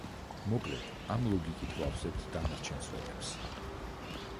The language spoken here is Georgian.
მოკლედ ამ ლოგიკით ვავსებთ დანარჩენ სვეტებს.